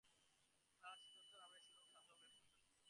তাঁহার শ্রীদত্ত নামে সুরূপ সুশীল শান্তস্বভাব এক পুত্র ছিল।